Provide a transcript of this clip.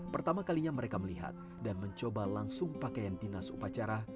pertama kalinya mereka melihat dan mencoba langsung pakaian dinas upacara